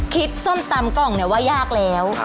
ส้มตำกล่องเนี่ยว่ายากแล้ว